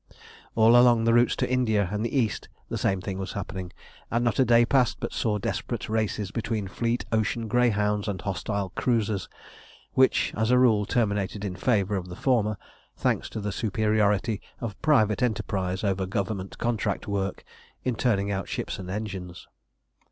All along the routes to India and the East the same thing was happening, and not a day passed but saw desperate races between fleet ocean greyhounds and hostile cruisers, which, as a rule, terminated in favour of the former, thanks to the superiority of private enterprise over Government contract work in turning out ships and engines.